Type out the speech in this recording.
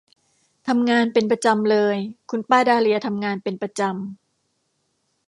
ทำงานเป็นประจำเลย คุณป้าดาเลียทำงานเป็นประจำ